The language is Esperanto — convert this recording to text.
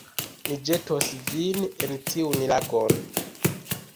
Mi ĵetos vin en tiun lagon